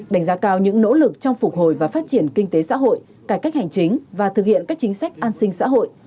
đánh giá cao những nỗ lực trong phục hồi và phát triển kinh tế xã hội cải cách hành chính và thực hiện các chính sách an sinh xã hội